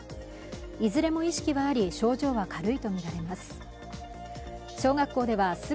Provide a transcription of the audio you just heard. いずれも意識はあり、症状は軽いとみられます。